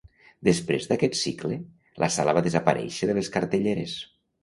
Després d'aquest cicle, la sala va desaparèixer de les cartelleres.